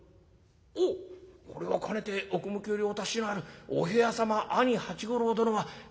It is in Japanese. おっこれはかねて奥向きよりお達しのあるお部屋様兄八五郎殿はご貴殿でござったか。